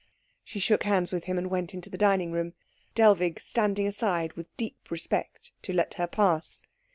She shook hands with him, and went into the dining room, Dellwig standing aside with deep respect to let her pass.